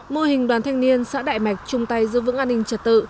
mô hình đoàn thanh niên xã đại mạch chung tay giữ vững an ninh trật tự